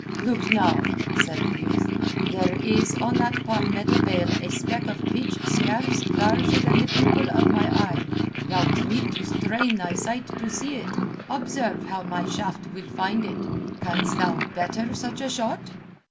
"Look now," said the youth, "there is on that palmetto bale a speck of pitch scarce larger than the pupil of my eye. Thou'lt need to strain thy sight to see it. Observe how my shaft will find it. Canst thou better such a shot?"